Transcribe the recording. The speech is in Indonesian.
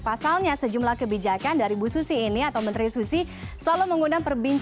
pasalnya sejumlah kebijakan dari bu susi ini atau menteri susi selalu mengundang perbincangan